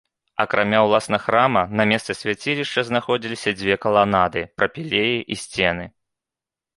Акрамя ўласна храма, на месцы свяцілішча знаходзіліся дзве каланады, прапілеі і сцены.